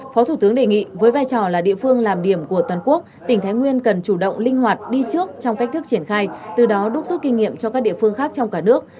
phó thủ tướng đề nghị với vai trò là địa phương làm điểm của toàn quốc tỉnh thái nguyên cần chủ động linh hoạt đi trước trong cách thức triển khai từ đó đúc rút kinh nghiệm cho các địa phương khác trong cả nước